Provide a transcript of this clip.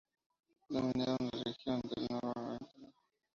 Dominaron la región de Norður-Ísafjarðarsýsla.